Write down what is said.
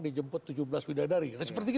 dijemput tujuh belas pindah dari